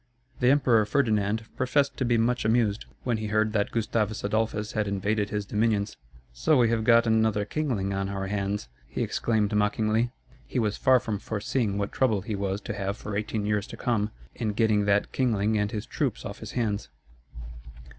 The Emperor Ferdinand professed to be much amused when he heard that Gustavus Adolphus had invaded his dominions. "So we have got another kingling on our hands," he exclaimed mockingly. He was far from foreseeing what trouble he was to have for eighteen years to come, in getting that kingling and his troops off his hands.